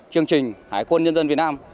chương trình hải quân nhân dân việt nam